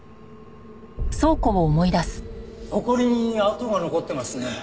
ほこりに跡が残ってますね。